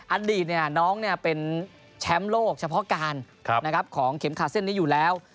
อดีตน้องเป็นแชมป์โลกเฉพาะการของเข็มขาดเส้นนี้อยู่แล้ว